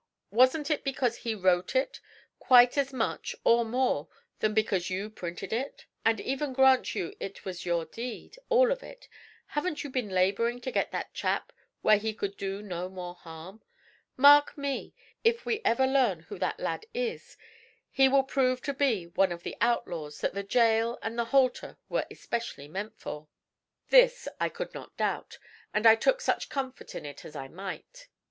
Wasn't it because he wrote it quite as much or more than because you printed it? And even grant you it was your deed, all of it, haven't you been labouring to get that chap where he could do no more harm? Mark me! if we ever learn who that lad is, he will prove to be one of the outlaws that the gaol and the halter were especially meant for.' This I could not doubt, and I took such comfort in it as I might.